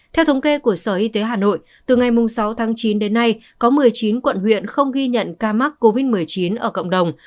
theo thống kê của sở y tế hà nội từ ngày sáu tháng chín đến nay có một mươi chín quận huyện không ghi nhận ca mắc covid một mươi chín ở cộng đồng